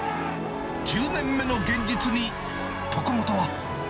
１０年目の現実に徳本は。